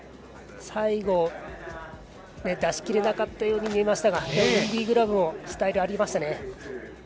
最後出し切れなかったように見えましたがインディグラブもスタイルありましたね。